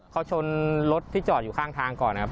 เขาชนรถที่จอดอยู่ข้างทางก่อนนะครับ